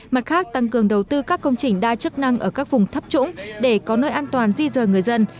mặt khác tăng cường đầu tư các công trình đa chức năng ở các vùng thấp trũng để có nơi an toàn di dời người dân